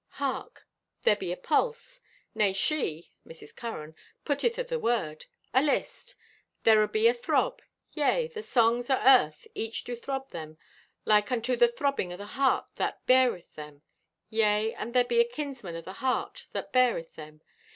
Hark, there be a pulse—Nay, she (Mrs. Curran) putteth o' the word! Alist.—There abe a throb; yea, the songs o' Earth each do throb them, like unto the throbbing o' the heart that beareth them. Yea, and there be a kinsman o' the heart that beareth them.